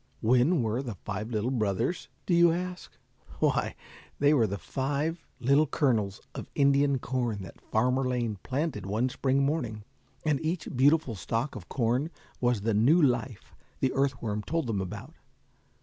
When were the five little brothers, do you ask? Why, they were five little kernels of Indian corn that Farmer Lane planted one spring morning, and each beautiful stalk of corn was the new life the earth worm told them about.